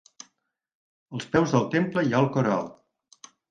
Als peus del temple hi ha el cor alt.